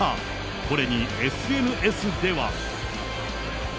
これにＳＮＳでは。